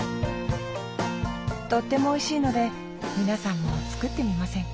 とってもおいしいので皆さんも作ってみませんか？